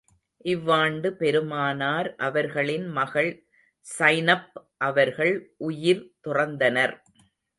இவ்வாண்டு பெருமானார் அவர்களின் மகள் ஸைனப் அவர்கள் உயிர் துறந்தனர்.